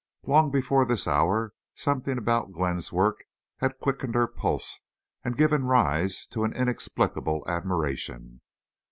Long before this hour something about Glenn's work had quickened her pulse and given rise to an inexplicable admiration.